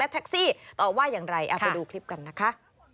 แท็กซี่ตอบว่าอย่างไรเอาไปดูคลิปกันนะคะ